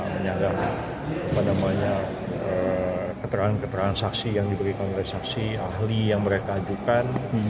menyanggah apa namanya keterangan keterangan saksi yang diberi kongres saksi ahli yang mereka ajukan